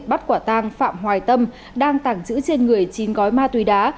bắt quả tàng phạm hoài tâm đang tảng trữ trên người chín gói ma túy đá